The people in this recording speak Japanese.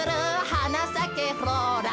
「はなさけフローラ」